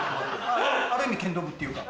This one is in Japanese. ある意味剣道部っていうか。